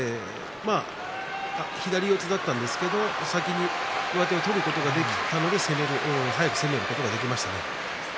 左四つだったんですけど先に上手を取ることができたので早く攻めることができましたね。